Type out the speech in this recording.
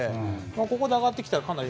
ここで上がってきたらかなり。